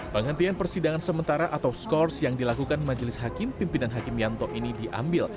penghentian persidangan sementara atau skors yang dilakukan majelis hakim pimpinan hakim yanto ini diambil